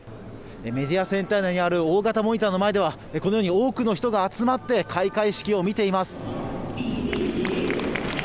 メディアセンター内にある大型モニターの前ではこのように多くの人が集まって開会式を見ています。